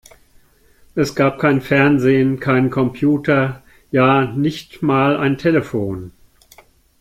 Es gab kein Fernsehen, keinen Computer, ja, nicht mal ein Telefon!